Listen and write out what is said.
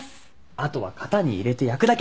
あとは型に入れて焼くだけ。